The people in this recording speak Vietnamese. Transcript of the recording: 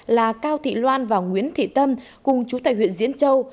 là cao thị loan và nguyễn thị tâm cùng chú tại huyện diễn châu